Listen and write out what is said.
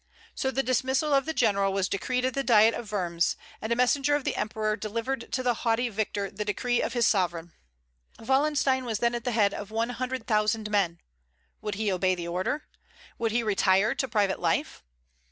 So the dismissal of the general was decreed at the diet of Worms, and a messenger of the Emperor delivered to the haughty victor the decree of his sovereign. Wallenstein was then at the head of one hundred thousand men. Would he obey the order? Would he retire to private life?